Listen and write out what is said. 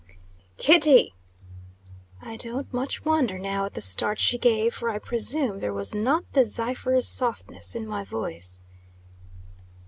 "Kitty!" I don't much wonder, now, at the start she gave, for I presume there was not the zephyr's softness in my voice.